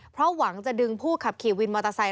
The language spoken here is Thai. เพราะหวังจะดึงผู้ขับขี่วินมอเตอร์ไซค